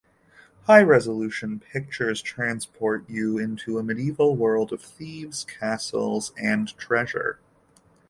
High-resolution pictures transport you into a medieval world of thieves, castles and treasure.